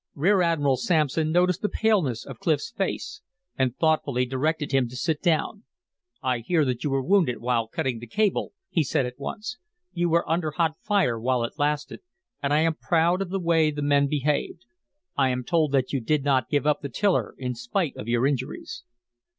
Rear Admiral Sampson noticed the paleness of Clif's face, and thoughtfully directed him to sit down. "I hear that you were wounded while cutting the cable," he said at once. "You were under hot fire while it lasted, and I am proud of the way the men behaved. I am told that you did not give up the tiller in spite of your injuries."